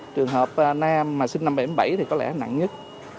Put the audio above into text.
trường hợp nam mà sinh năm bảy mươi bảy thì có lẽ nặng nhất